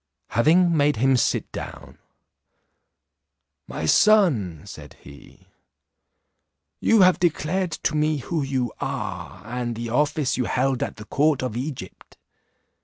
Having made him sit down, "My son," said he, "you have declared to me who you are, and the office you held at the court of Egypt.